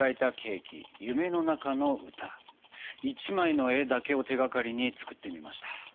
１枚の絵だけを手がかりに作ってみました。